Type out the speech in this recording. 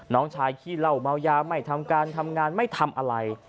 น้องชายขี้เหล้าเมายาไม่ทำการทำงานไม่ทำอะไร